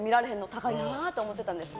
高いなって思ってたんです。